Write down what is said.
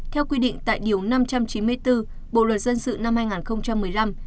theo quy định tại điều năm trăm chín mươi bốn bộ luật dân sự năm hai nghìn một mươi năm